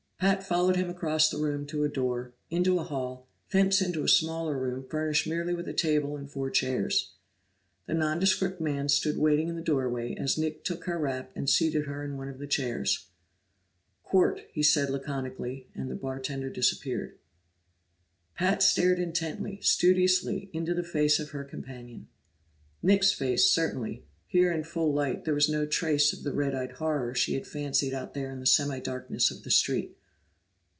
Pat followed him across the room to a door, into a hall, thence into a smaller room furnished merely with a table and four chairs. The nondescript man stood waiting in the doorway as Nick took her wrap and seated her in one of the chairs. "Quart," he said laconically, and the bartender disappeared. Pat stared intently, studiously, into the face of her companion. Nick's face, certainly; here in full light there was no trace of the red eyed horror she had fancied out there in the semi darkness of the street.